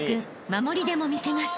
守りでも魅せます］